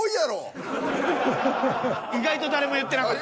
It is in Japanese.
意外と誰も言ってなかった。